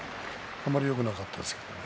あまりよくなかったですけれども。